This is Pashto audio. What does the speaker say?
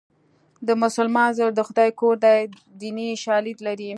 د مسلمان زړه د خدای کور دی دیني شالید لري